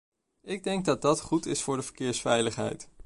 Ik denk dat dat goed is voor de verkeersveiligheid.